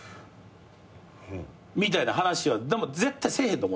みたいな話は絶対せえへんと思うねん。